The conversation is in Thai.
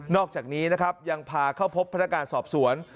อกจากนี้นะครับยังพาเข้าพบพนักงานสอบสวน